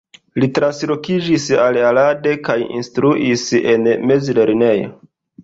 Li translokiĝis al Arad kaj instruis en mezlernejo.